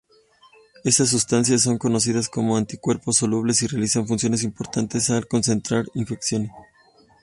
Esas sustancias son conocidas como anticuerpos solubles y realizan funciones importantes al contrarrestar infecciones.